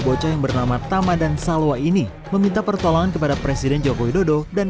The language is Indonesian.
bocah yang bernama tamadan salwa ini meminta pertolongan kepada presiden joko widodo dan